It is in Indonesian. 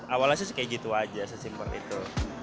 awalnya sih kayak gitu aja sesimpel itu